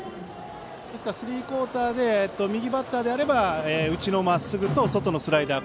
スリークオーターで右バッターであれば内のまっすぐと外のスライダー